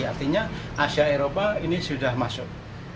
artinya asia eropa ini sudah masuk